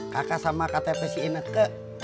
kakak sama ktp si ine kek